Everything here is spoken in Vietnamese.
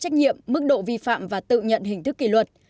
trách nhiệm mức độ vi phạm và tự nhận hình thức kỷ luật